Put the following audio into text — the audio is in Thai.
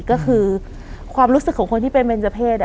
ก็คือความรู้สึกของคนที่เป็นเบนเจอร์เพศ